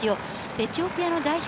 エチオピアの代表